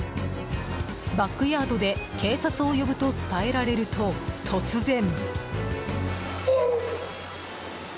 バックヤードで警察を呼ぶと伝えられると突然。